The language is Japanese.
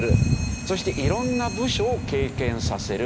そして色んな部署を経験させる。